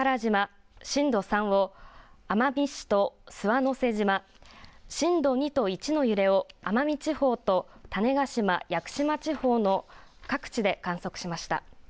奄美市と諏訪之瀬島、震度２と１の揺れを奄美地方と種子島、屋久島地方の各地で観測しました。